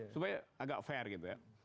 supaya agak fair gitu ya